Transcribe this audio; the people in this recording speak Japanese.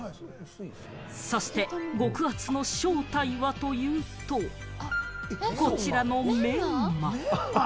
そして極厚の正体はというと、こちらのめんま！